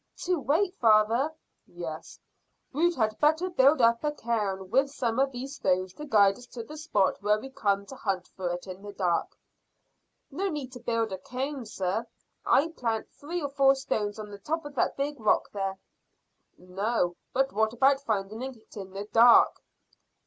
"To wait, father?" "Yes. We had better build up a cairn with some of these stones to guide us to the spot when we come to hunt for it in the dark." "No need to build a cairn, sir, if I plant three or four stones on the top of that big rock there." "No; but what about finding it in the dark?"